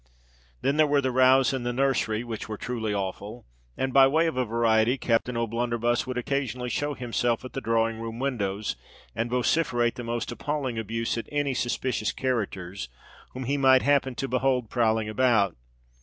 Then there were the rows in the nursery, which were truly awful; and, by way of a variety, Captain O'Blunderbuss would occasionally show himself at the drawing room windows and vociferate the most appalling abuse at any suspicious characters whom he might happen to behold prowling about.